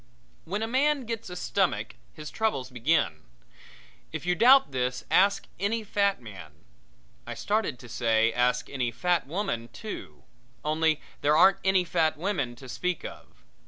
When a man gets a stomach his troubles begin. If you doubt this ask any fat man I started to say ask any fat woman, too. Only there aren't any fat women to speak of.